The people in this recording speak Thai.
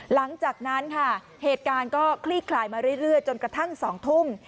หลังจากนั้นค่ะเหตุการณ์ก็คลี่คลายมาเรื่อยจนกระทั่ง๒ทุ่ม